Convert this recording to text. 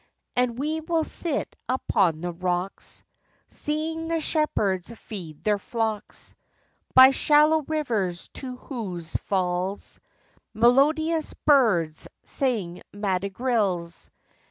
And we will sit upon the rocks, Seeing the shepherds feed their flocks By shallow rivers, to whose falls Melodious birds sing madrigals.